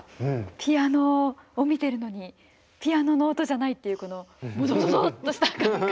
ピアノを見てるのにピアノの音じゃないっていうこのモゾモゾモゾっとした感覚。